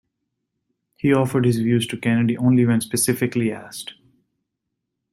He offered his views to Kennedy only when specifically asked.